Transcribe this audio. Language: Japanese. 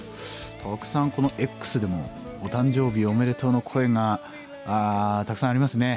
たくさんこのＸでも「お誕生日おめでとう」の声がたくさんありますね。